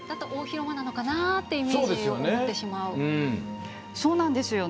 大広間なのかなっていうイメージを持ってしまう。